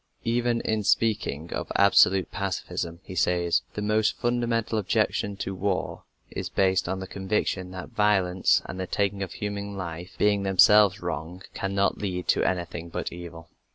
Even in speaking of "absolute" pacifism he says, "The most fundamental objection to war is based on the conviction that violence and the taking of human life, being themselves wrong, cannot lead to anything but evil."